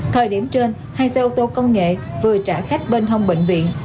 thời điểm trên hai xe ô tô công nghệ vừa trả khách bên hông bệnh viện